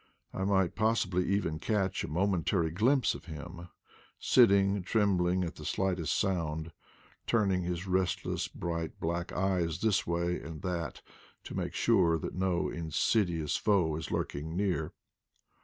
I might pos sibly even catch a momentary glimpse of him, sitting, trembling at the slightest sound, turning his restless bright black eyes this way and that to make sure that no insidious foe is lurking near.